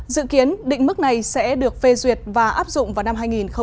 dự kiến định mức này sẽ được phê duyệt và áp dụng vào năm hai nghìn hai mươi